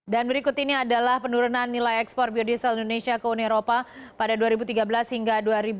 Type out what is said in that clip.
dan berikut ini adalah penurunan nilai ekspor biodiesel indonesia ke uni eropa pada dua ribu tiga belas hingga dua ribu enam belas